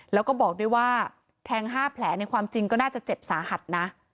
แล้วก็บอกด้วยว่าแทง๕แผลในความจริงก็น่าจะเจ็บสาหัสนะ